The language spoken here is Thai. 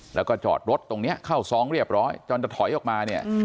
แล้วก็จอดรถตรงนี้เข้าซองเรียบร้อยจนจะถอยออกมาเนี่ย